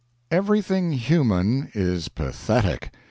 Everything human is pathetic.